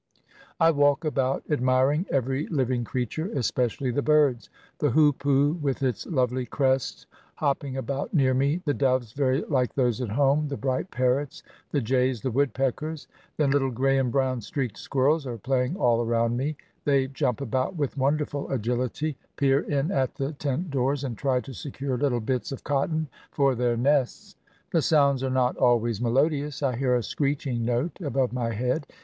I walk about admiring every living creature, espe cially the birds — the hoopoo with its lovely crest hop ping about near me, the doves very like those at home, the bright parrots, the jays, the woodpeckers. Then little gray and brown streaked squirrels are playing all around me. They jump about with wonderful agihty, peer in at the tent doors, and try to secure little bits of cotton for their nests. The soimds are not always melodious. I hear a screeching note above my head.